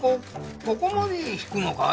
ここまでひくのかい？